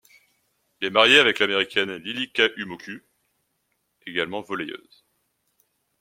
Il est marié avec l'américaine Lily Kahumoku, également volleyeuse.